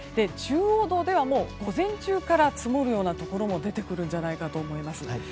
中央道では午前中から積もるようなところも出てくるんじゃないかと思います。